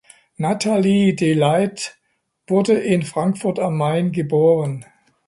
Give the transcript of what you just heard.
Natalie de Ligt wurde in Frankfurt am Main geboren.